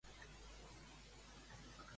Quan va morir Troilos, doncs?